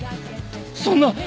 そんな。